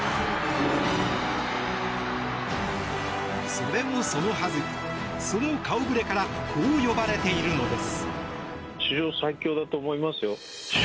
それもそのはず、その顔触れからこう呼ばれているのです。